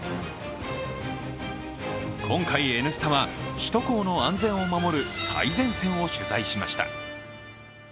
今回「Ｎスタ」は首都高の安全を守る最前線を取材しました。